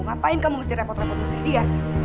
ngapain kamu mesti repot repot mesti dia